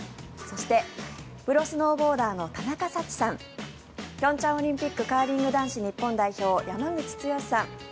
そして、プロスノーボーダーの田中幸さん平昌オリンピックカーリング男子日本代表山口剛史さん